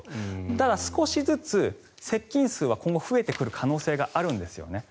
ただ、少しずつ接近数は今後増えてくる可能性はあるんですよね。